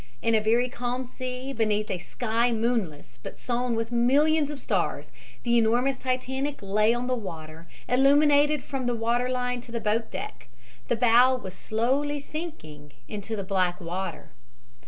In a very calm sea, beneath a sky moonless but sown with millions of stars, the enormous Titanic lay on the water, illuminated from the water line to the boat deck. The bow was slowly sinking into the black water."